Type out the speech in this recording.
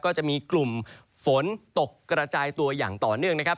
ก็จะมีกลุ่มฝนตกกระจายตัวอย่างต่อเนื่องนะครับ